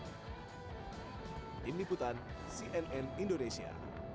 tim liputan cnn indonesia